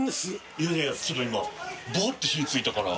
いやいやちょっと今バッて火ついたから。